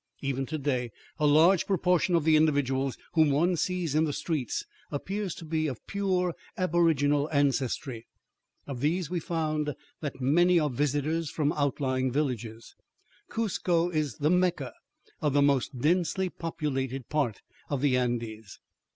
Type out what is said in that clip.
Even to day a large proportion of the individuals whom one sees in the streets appears to be of pure aboriginal ancestry. Of these we found that many are visitors from outlying villages. Cuzco is the Mecca of the most densely populated part of the Andes.